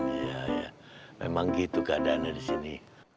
iya iya memang gitu keadaannya disini